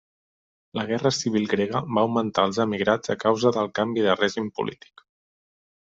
La Guerra Civil Grega va augmentar els emigrats a causa del canvi de règim polític.